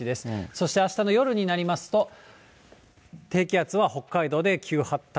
そしてあしたの夜になりますと、低気圧は北海道で急発達。